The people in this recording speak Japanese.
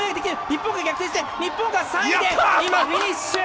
日本が逆転して日本が３位で、今フィニッシュ！